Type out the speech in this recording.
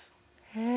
へえ。